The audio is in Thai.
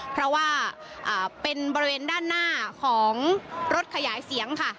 เพราะว่าเป็นบริเวณด้านหน้าของรถขยายเสียงค่ะ